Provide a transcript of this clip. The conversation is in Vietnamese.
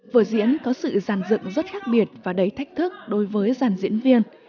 vợ diễn có sự dàn dựng rất khác biệt và đầy thách thức đối với dàn diễn viên